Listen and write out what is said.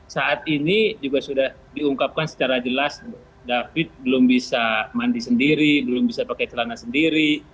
saat ini juga sudah diungkapkan secara jelas david belum bisa mandi sendiri belum bisa pakai celana sendiri